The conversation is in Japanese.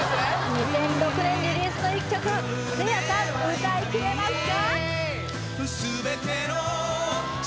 ２００６年リリースの１曲せいやさん歌いきれますか？